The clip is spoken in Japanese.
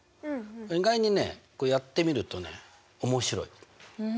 意外にねやってみるとねおもしろい。